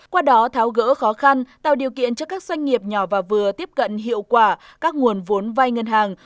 qua đó tháo gỡ khó khăn tạo điều kiện cho các doanh nghiệp nhỏ và vừa tiếp cận hiệu quả các nguồn vốn vai ngân hàng